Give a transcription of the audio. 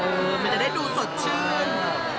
มันจะได้ดูสดชื่น